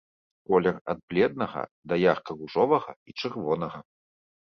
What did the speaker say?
Колер ад бледнага да ярка ружовага і чырвонага.